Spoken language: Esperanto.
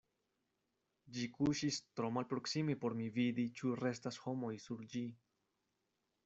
Ĝi kuŝis tro malproksime por mi vidi, ĉu restas homoj sur ĝi.